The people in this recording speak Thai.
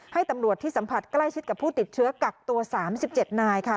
ให้ตำรวจที่สัมผัสใกล้ชิดกับผู้ติดเชื้อกักตัว๓๗นายค่ะ